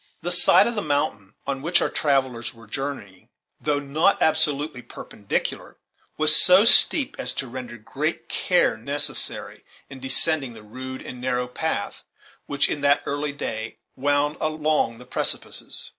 The side of the mountain on which our travellers were journeying, though not absolutely perpendicular, was so steep as to render great care necessary in descending the rude and narrow path which, in that early day, wound along the precipices.